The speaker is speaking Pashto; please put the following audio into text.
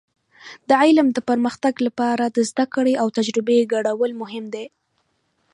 د علم د پرمختګ لپاره د زده کړې او تجربې ګډول مهم دي.